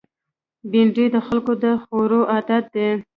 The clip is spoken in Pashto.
بېنډۍ د خلکو د خوړو عادت دی